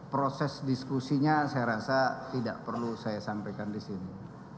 proses diskusinya saya rasa tidak perlu saya sampaikan di sini